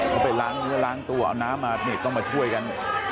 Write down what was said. เขาไปล้างเนื้อล้างตัวเอาน้ำมานี่ต้องมาช่วยกัน